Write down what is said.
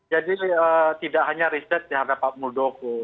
jadi tidak hanya riset di hadapan pak muldoko